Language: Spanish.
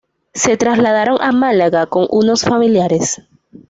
Se trasladaron a Málaga con unos familiares.